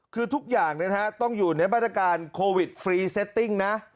คือทุกอย่างต้องอยู่ในมาตรการโควิดฟรีเซตติ้งนะ